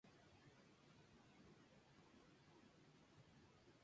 Trabajó para Obiang y su familia como abogado.